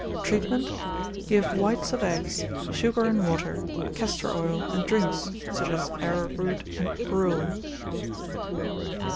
Treatment. Give whites of eggs, sugar and water, castor oil, and drinks, such as arrowroot and gruel.